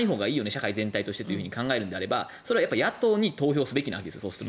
社会全体としてと考えるのであればそれは野党に投票するべきなんです。